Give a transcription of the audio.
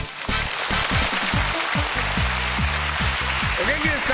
お元気ですか？